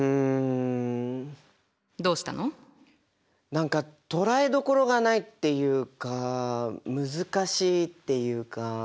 何か捕らえどころがないっていうか難しいっていうか。